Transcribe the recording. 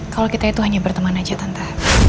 kalau kita itu hanya berteman aja tante